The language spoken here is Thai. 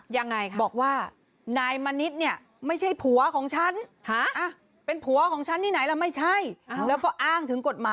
ยังไงค่ะค่ะ